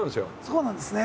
そうなんですね。